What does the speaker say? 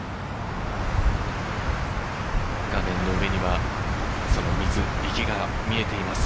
画面の上には、水、池が見えています。